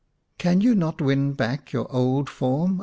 " Can you not win back your old form